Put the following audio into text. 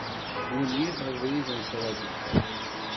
Gguniɣ abrid ansi ara d-tekkeḍ.